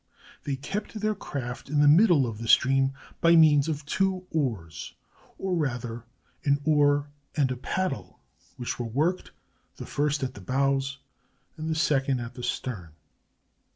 They kept their craft in the middle of the stream by means of two oars, or, rather, an oar and a paddle, which were worked, the first at the bows, and the second at the stern.